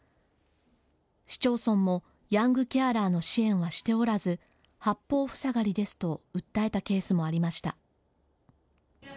市町村もヤングケアラーの支援はしておらず八方ふさがりですと訴えたケースもありました。